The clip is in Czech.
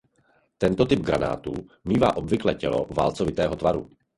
Tento typ granátu mívá obvykle tělo válcovitého tvaru.